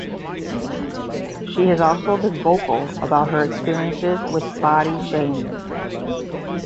She has also been vocal about her experiences with body shaming.